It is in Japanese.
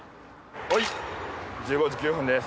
はい１５時９分です。